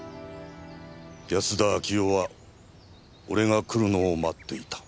安田明代は俺が来るのを待っていた。